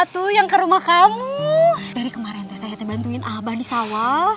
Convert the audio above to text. tuh yang ke rumah kamu dari kemarin saya bantuin abadi sawah